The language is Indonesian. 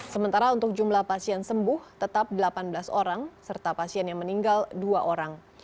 sementara untuk jumlah pasien sembuh tetap delapan belas orang serta pasien yang meninggal dua orang